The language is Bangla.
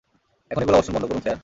এখনই গোলাবর্ষণ বন্ধ করুন, স্যার।